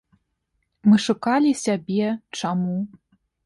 Мы шукалі сябе чаму.